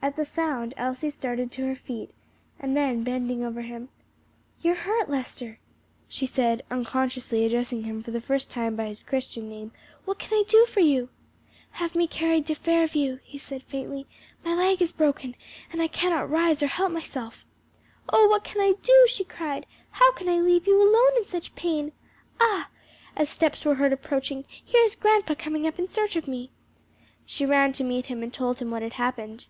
At the sound Elsie started to her feet, then bending over him, "You're hurt, Lester," she said, unconsciously addressing him for the first time by his Christian name; "what can I do for you?" "Have me carried to Fairview," he said faintly; "my leg is broken and I cannot rise or help myself." "Oh, what can I do," she cried, "how can I leave you alone in such pain? Ah!" as steps were heard approaching, "here is grandpa coming up in search of me." She ran to meet him and told him what had happened.